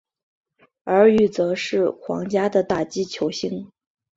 而与则是皇家的打击球星。